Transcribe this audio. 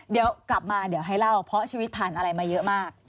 เดี๋ยวกลับมาเดี๋ยวให้เล่าเพราะชีวิตผ่านอะไรมาเยอะมาก